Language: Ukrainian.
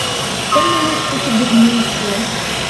І що молоти такі дурниці!